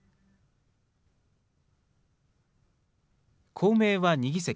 公明は２議席。